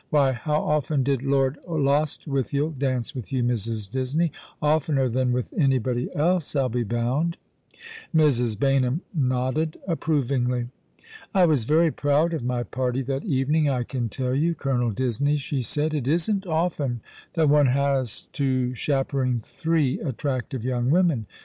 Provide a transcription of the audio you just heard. " Why, how often did Lord Lostwithiel dance with you, Mrs. Disney ? Oftener than with anybody else, I'll be bound." Mrs. Baynham nodded approvingly. " I was very proud of my party that evening, I can tell you, Colonel Disney," she said. " It isn't often that one has to chaperon three attractive young women.